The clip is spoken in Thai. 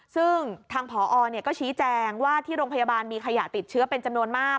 ซึ่งทางผอก็ชี้แจงว่าที่โรงพยาบาลมีขยะติดเชื้อเป็นจำนวนมาก